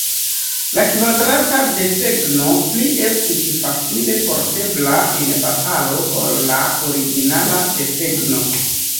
La kvadrata desegno pli estis facile portebla en batalo ol la originala desegno.